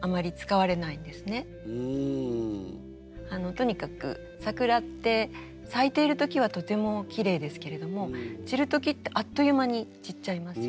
とにかく桜って咲いている時はとてもきれいですけれども散る時ってあっという間に散っちゃいますよね。